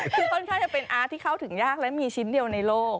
คือค่อนข้างจะเป็นอาร์ตที่เข้าถึงยากและมีชิ้นเดียวในโลก